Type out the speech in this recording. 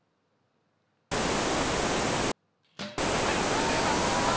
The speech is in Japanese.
外れました！